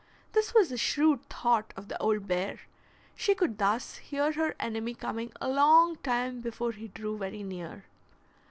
This was a shrewd thought of the old bear; she could thus hear her enemy coming a long time before he drew very near.